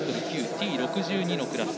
Ｔ６２のクラス。